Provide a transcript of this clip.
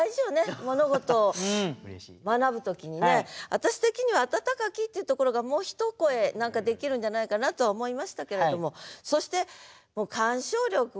私的には「あたたかき」っていうところがもう一声何かできるんじゃないかなとは思いましたけれども。